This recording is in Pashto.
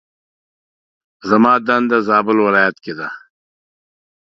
زما وظيفه زابل ولايت کي ده